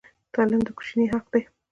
تعلیم د کوچني حق دی.